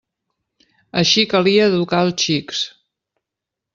Així calia educar els xics.